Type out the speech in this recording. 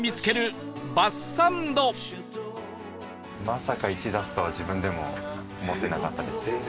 まさか「１」出すとは自分でも思ってなかったです。